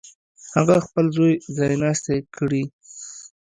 هغه خپل زوی ځایناستی کړي.